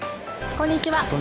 こんにちは。